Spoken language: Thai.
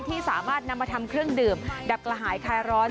ที่สามารถนำมาทำเครื่องดื่มดับกระหายคลายร้อน